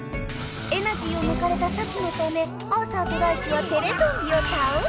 エナジーをぬかれたサキのためアーサーとダイチはテレゾンビをたおした！